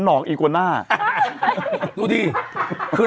นี่ของประดำหรือ